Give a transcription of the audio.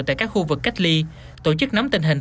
tại các khu vực cách ly tổ chức nắm tình hình